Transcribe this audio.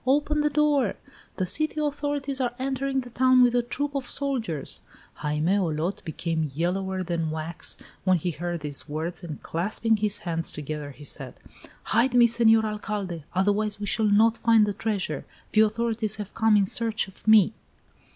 Open the door! The city authorities are entering the town with a troop of soldiers!" Jaime Olot became yellower than wax when he heard these words, and clasping his hands together, he said: "Hide me, Senor Alcalde! Otherwise we shall not find the treasure! The authorities have come in search of me!"